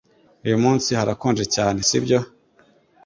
Uyu munsi harakonje cyane sibyo